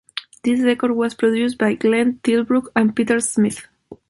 This record was produced by Glenn Tilbrook and Peter Smith.